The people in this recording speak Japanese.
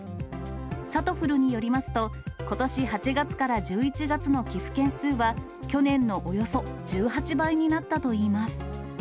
さとふるによりますと、ことし８月から１１月の寄付件数は、去年のおよそ１８倍になったといいます。